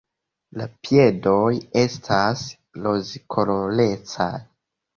La piedoj estas rozkolorecaj.